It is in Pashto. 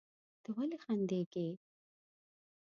ته ولې خندېږې؟